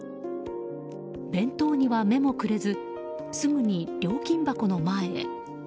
弁当には目もくれずすぐに料金箱の前へ。